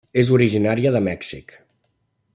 És originària de Mèxic.